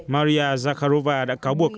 maria zakharova đã cáo buộc